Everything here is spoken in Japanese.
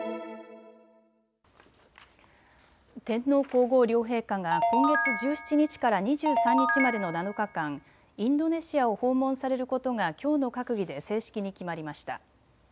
天皇皇后両陛下が今月１７日から２３日までの７日間、インドネシアを訪問されることがきょうの閣議で正式に決まりました。